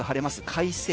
快晴。